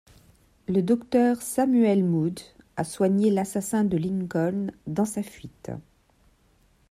Le docteur Samuel Mudd a soigné l'assassin de Lincoln dans sa fuite.